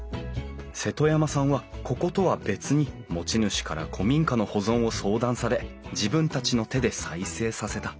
瀬戸山さんはこことは別に持ち主から古民家の保存を相談され自分たちの手で再生させた。